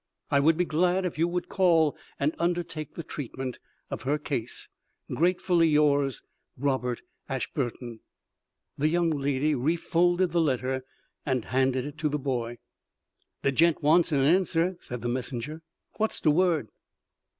I would be glad if you would call and undertake the treatment of her case. Gratefully yours, Robert Ashburton. The young lady refolded the letter, and handed it to the boy. "De gent wants an answer," said the messenger. "Wot's de word?"